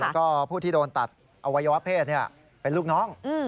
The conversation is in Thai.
แล้วก็ผู้ที่โดนตัดอวัยวะเพศเป็นลูกน้อง